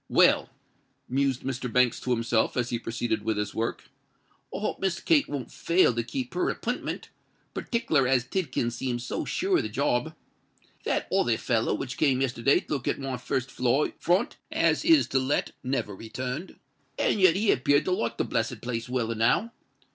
"Well," mused Mr. Banks to himself, as he proceeded with his work, "I hope Miss Kate won't fail to keep her appintment—partickler as Tidkins seems so sure of the job. That other feller which came yesterday to look at my first floor front as is to let, never returned. And yet he appeared to like the blessed place well enow.